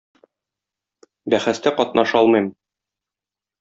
Бәхәстә катнаша алмыйм.